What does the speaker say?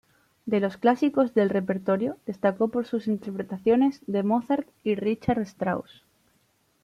De los clásicos del repertorio destacó por sus interpretaciones de Mozart y Richard Strauss.